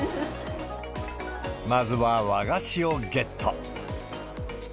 まずは和菓子をゲット。